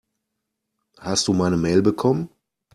Hast du meine Mail bekommen?